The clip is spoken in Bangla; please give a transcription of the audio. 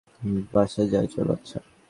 বাসা যাই চলো, আচ্ছা?